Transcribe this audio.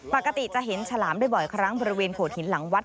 ปกติจะเห็นฉลามได้บ่อยครั้งบริเวณโขดหินหลังวัด